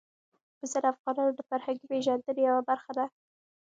پسه د افغانانو د فرهنګي پیژندنې یوه برخه ده.